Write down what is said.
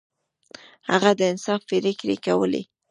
هغه د انصاف پریکړې کولې.